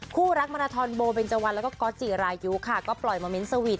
คู่รักมาราทอนโบเบนเจวันแล้วก็ก๊อตจิรายุค่ะก็ปล่อยมาเน้นสวีท